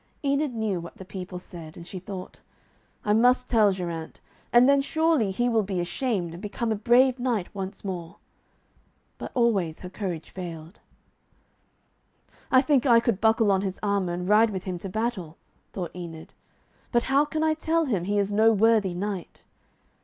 Enid knew what the people said, and she thought, 'I must tell Geraint, and then surely he will be ashamed, and become a brave knight once more.' But always her courage failed. 'I think I could buckle on his armour and ride with him to battle,' thought Enid, 'but how can I tell him he is no worthy knight?'